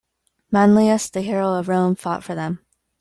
Manlius, the hero of Rome, fought for them.